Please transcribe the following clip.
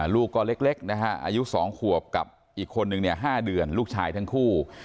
ลูกก็เล็กนะฮะอายุ๒ขวบกับอีกคนนึงเนี่ย๕เดือนลูกชายทั้งคู่